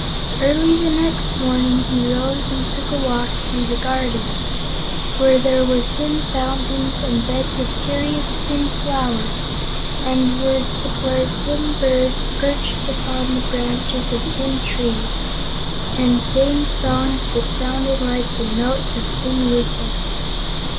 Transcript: Early the next morning he rose and took a walk through the gardens, where there were tin fountains and beds of curious tin flowers, and where tin birds perched upon the branches of tin trees and sang songs that sounded like the notes of tin whistles.